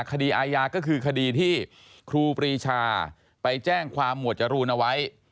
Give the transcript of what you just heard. คดีอาญาก็คือคดีที่ครูปรีชาไปแจ้งความหมวดจรูนเอาไว้